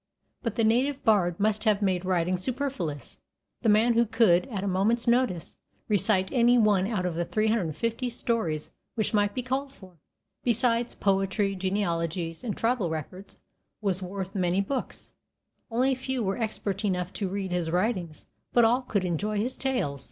But the native bard must have made writing superfluous. The man who could, at a moment's notice, recite any one out of the 350 stories which might be called for, besides poetry, genealogies, and tribal records, was worth many books. Only a few were expert enough to read his writings, but all could enjoy his tales.